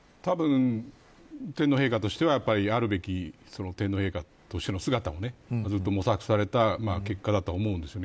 天皇陛下としては、たぶんあるべき天皇陛下としての姿を模索された結果だと思います。